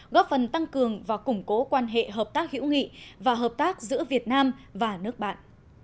góp phần tăng cường và củng cố quan hệ hợp tác hữu nghị và hợp tác giữa việt nam và nước bạn